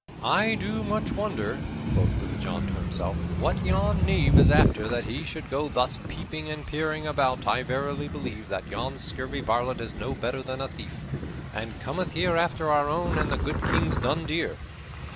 "I do much wonder," quoth Little John to himself, "what yon knave is after, that he should go thus peeping and peering about I verily believe that yon scurvy varlet is no better than a thief, and cometh here after our own and the good King's dun deer."